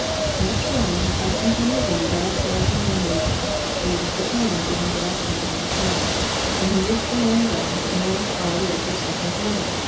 Next morning Konstantin Levin got up earlier than usual, but he was detained giving directions on the farm, and when he reached the mowing grass the mowers were already at their second row.